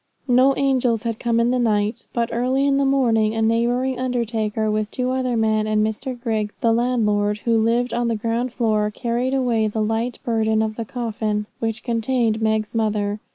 No angels had come in the night; but early in the morning a neighbouring undertaker, with two other men, and Mr Grigg, the landlord, who lived on the ground floor, carried away the light burden of the coffin which contained Meg's mother.